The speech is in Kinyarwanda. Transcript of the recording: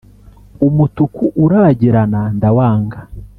umutuku urabagirana ndawanga